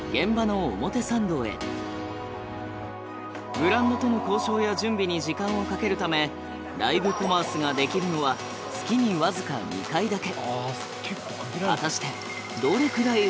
ブランドとの交渉や準備に時間をかけるためライブコマースができるのは月に僅か２回だけ。